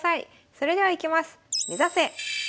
それではいきます。